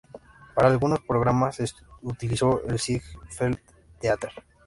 Para algunos programas se utilizó el Ziegfeld Theater.